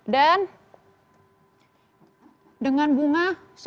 dan dengan bunga sepuluh